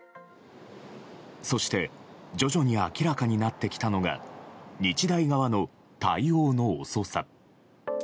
そして徐々に明らかになってきたのが日大側の対応の遅さ。